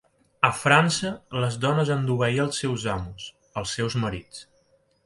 A França les dones han d'obeir als seus amos, els seus marits.